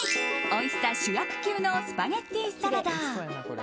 おいしさ主役級のスパゲティサラダ。